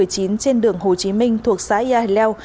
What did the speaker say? trên đường hồ chí minh thuộc xã nha hình leo